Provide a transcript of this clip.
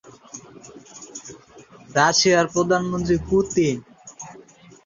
ঘরোয়া প্রথম-শ্রেণীর পাকিস্তানি ক্রিকেটে লাহোর ও পাকিস্তান ইন্টারন্যাশনাল এয়ারলাইন্স দলের প্রতিনিধিত্ব করেন।